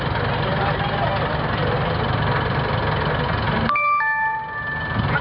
ไม่ได้ซ่อนแสงขังห